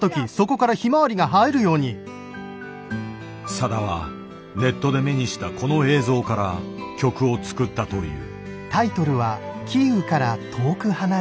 さだはネットで目にしたこの映像から曲を作ったという。